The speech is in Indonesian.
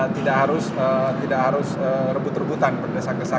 tidak harus rebut rebutan berdasarkan